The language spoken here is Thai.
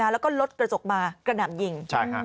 แล้วก็รถกระจกมากระหน่ำยิง